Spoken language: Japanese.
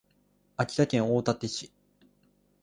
秋田県大館市